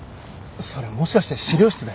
それもしかして資料室で？